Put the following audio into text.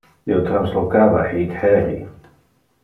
Io translocava hic heri.